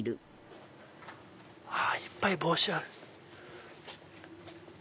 いっぱい帽子ある。